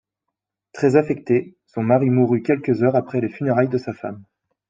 Très affecté, son mari mourut quelques heures après les funérailles de sa femme.